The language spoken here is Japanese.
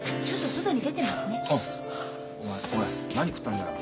おい何食ったんだよ？